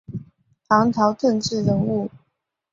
唐朝政治人物。